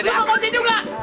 lu kakak kongsi juga